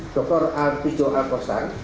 dr al tijaw al kostar